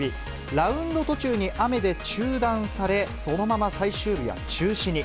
ラウンド途中に雨で中断され、そのまま最終日は中止に。